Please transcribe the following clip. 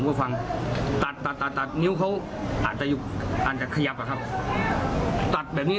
มันสนในฟุประชาชน